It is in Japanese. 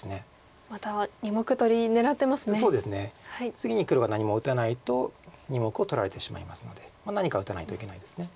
次に黒が何も打たないと２目を取られてしまいますので何か打たないといけないです。